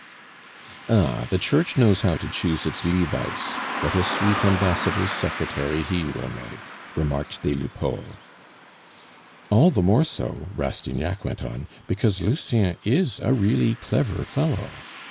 "Ah, the Church knows how to choose its Levites; what a sweet ambassador's secretary he will make!" remarked des Lupeaulx. "All the more so," Rastignac went on, "because Lucien is a really clever fellow.